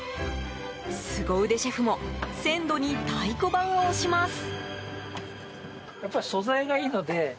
スゴ腕シェフも鮮度に太鼓判を押します。